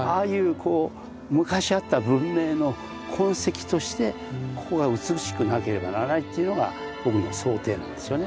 こう昔あった文明の痕跡としてここが美しくなければならないというのが僕の想定なんですよね。